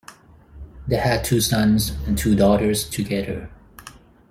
They had two sons and two daughters together.